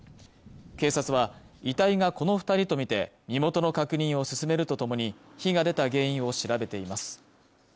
警察は遺体がこの二人とみて身元の確認を進めるとともに火が出た原因を調べています